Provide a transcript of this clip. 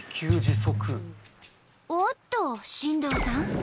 おっと新藤さん